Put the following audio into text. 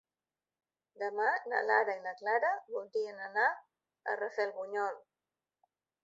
Demà na Lara i na Clara voldrien anar a Rafelbunyol.